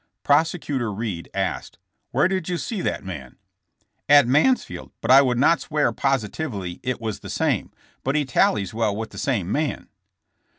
Prosecutor Reed asked: "Where did you see that man?" "At Mansfield, but I would not swear positively it was the same, but he tallies well with the same man."